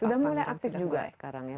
sudah mulai aktif juga sekarang ya